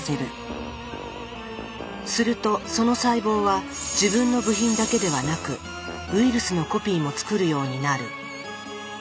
するとその細胞は自分の部品だけではなくウイルスのコピーも作るようになる。